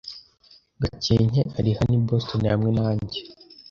Gakenke ari hano i Boston hamwe nanjye.